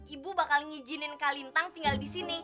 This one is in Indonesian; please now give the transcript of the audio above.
ibu bakal ngijinin kak lintang tinggal di sini